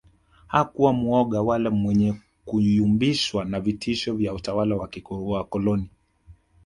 Hakuwa muoga wala mwenye kuyumbishwa na vitisho vya utawala wa wakoloni